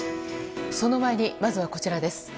その前にまずはこちらです。